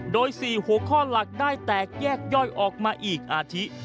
โดย๔หัวข้อหลักได้แตกแยกย่อยออกมาอีกอาทิ